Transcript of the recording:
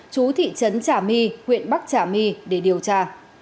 chú thị trấn trả my huyện bắc trả my để điều tra